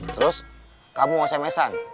terus kamu mau sms an